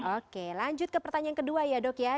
oke lanjut ke pertanyaan kedua ya dok ya